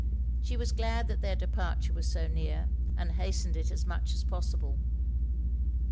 She was glad that their departure was so near; and hastened it as much as possible.